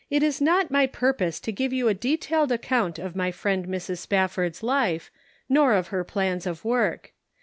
is not my purpose to give you a de tailed account of my friend Mrs. Spaf ford's life, nor of her plans of work.